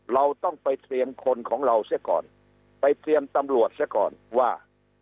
เราต้องไปเตรียมคนของเราเสียก่อนไปเตรียมตำรวจเสียก่อนว่า